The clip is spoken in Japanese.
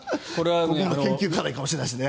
研究課題かもしれないですね。